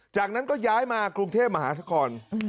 จากนั้นก็ย้ายมากรุงเทพมหานคร